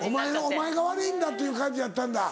お前が悪いんだっていう感じやったんだ。